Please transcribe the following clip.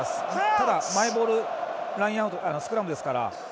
ただマイボールラインアウトからのスクラムですから。